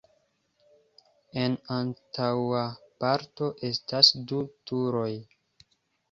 En antaŭa parto estas du turoj.